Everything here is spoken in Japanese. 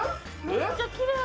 めっちゃきれい！